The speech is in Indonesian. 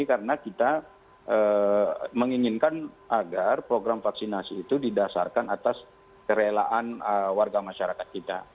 karena kita menginginkan agar program vaksinasi itu didasarkan atas kerelaan warga masyarakat kita